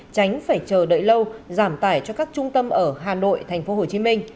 tránh phải chờ đợi lâu giảm tải cho các trung tâm ở hà nội tp hcm